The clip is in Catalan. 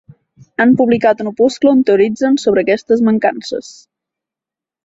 Han publicat un opuscle on teoritzen sobre aquestes mancances.